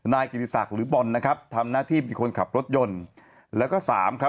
๒นายกิริสักหรือบอลทำหน้าที่มีคนขับรถยนต์